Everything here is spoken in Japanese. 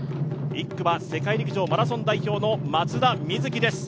１区は世界陸上マラソン代表の松田瑞生です。